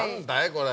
これ。